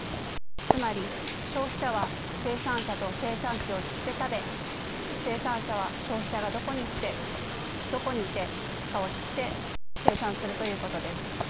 つまり消費者は生産者と生産地を知って食べ生産者は消費者がどこにいるかを知って生産するということです。